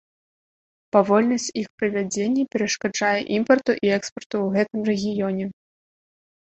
Павольнасць іх правядзення перашкаджае імпарту і экспарту ў гэтым рэгіёне.